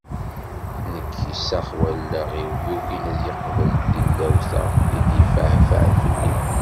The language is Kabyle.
Nekk isax wallaɣ-iw yugin ad yeqbel tilawt-a i d-yefɛefɛen fell-i.